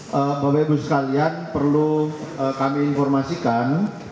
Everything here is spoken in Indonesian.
bapak ibu sekalian perlu kami informasikan